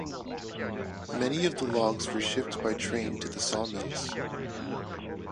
Many of the logs were shipped by train to the sawmills.